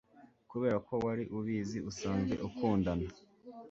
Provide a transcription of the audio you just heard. Kuberako wari ubizi usanzwe ukundana